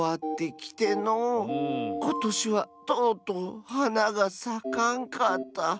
ことしはとうとうはながさかんかった。